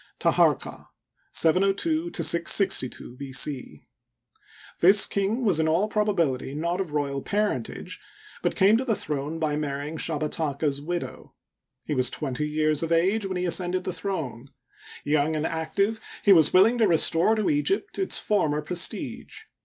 Taharqa (702 662 B. c.). This king was in all probability not of royal parentage, but came to the throne by marrying Shabataka's widow. He was twenty years of age when he ascended the throne. Young and active, he was willing to restore to Egypt its former prestige.